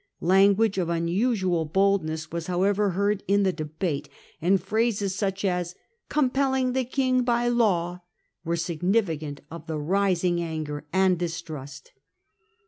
Language of unusual boldness was however heard in the debate, and phrases such as * compelling the king by law * were significant of the rising anger and distrust.